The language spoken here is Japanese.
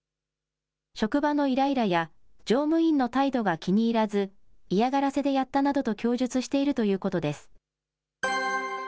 職場のいらいらや、乗務員の態度が気に入らず、嫌がらせでやったなどと供述しているということです。